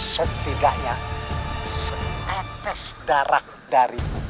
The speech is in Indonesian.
setidaknya setetes darah dari kian santang